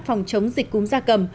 phòng chống dịch cúm gia cầm